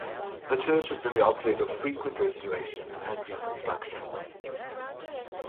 The church has been the object of frequent restoration and reconstruction.